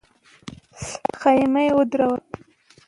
خېمه ودروله.